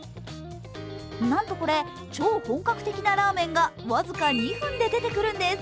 なんとこれ、超本格的なラーメンが僅か２分で出てくるんです。